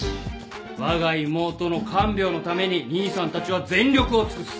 わが妹の看病のために兄さんたちは全力を尽くす。